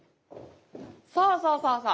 そうそうそうそう！